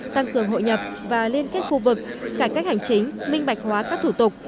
tăng cường hội nhập và liên kết khu vực cải cách hành chính minh bạch hóa các thủ tục